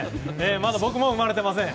まだ僕も生まれていません。